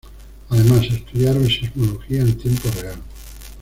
Además, estudiaron sismología en tiempo real.